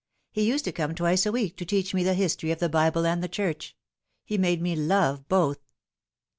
He used to come twice a week to teach me the history of the Bible and the Church. He made me love both."